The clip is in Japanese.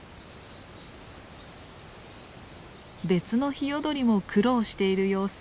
別のヒヨドリも苦労している様子。